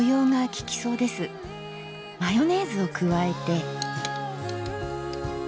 マヨネーズを加えて。